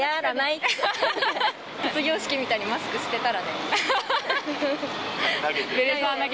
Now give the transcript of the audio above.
卒業式みたいにマスク捨てたら。